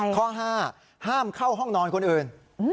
ข้อ๕ห้ามเข้าห้องนอนคนอื่น